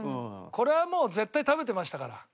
これはもう絶対食べてましたから。